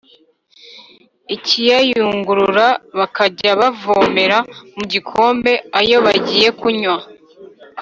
ikayayungurura bakajya bavomera mu gikombe ayo bagiye kunywa.